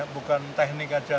bukan teknik aja